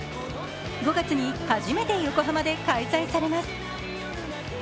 ５月に初めて横浜で開催されます。